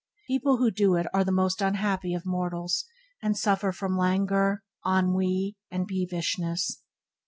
People who do it are the most unhappy of mortals, and suffer from languor, ennui, and peevishness.